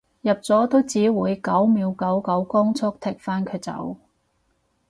入咗都只會九秒九九光速踢返佢走